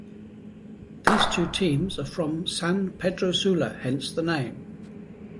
These two teams are from San Pedro Sula, hence the name.